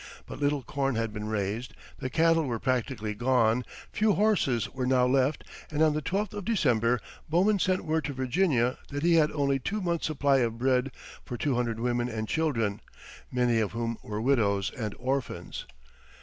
But little corn had been raised; the cattle were practically gone; few horses were now left; and on the twelfth of December Bowman sent word to Virginia that he had only two months' supply of bread for two hundred women and children, many of whom were widows and orphans.